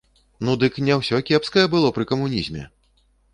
Ну дык не ўсё кепскае было пры камунізме!